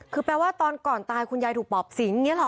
คือแปลว่าตอนก่อนตายคุณยายถูกปอบสิงอย่างนี้หรอ